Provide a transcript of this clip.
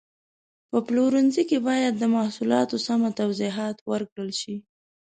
په پلورنځي کې باید د محصولاتو سمه توضیحات ورکړل شي.